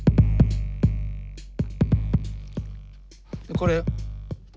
これ。